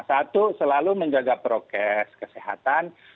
satu selalu menjaga prokes kesehatan